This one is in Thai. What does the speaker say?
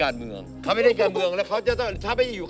เนี่ย